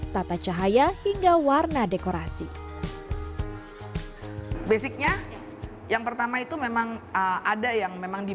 tata cahaya hingga warna dekorasi